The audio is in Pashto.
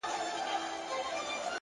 اخلاق د شخصیت نه جلا کېدونکی رنګ دی؛